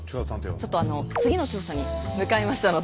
ちょっとあの次の調査に向かいましたので。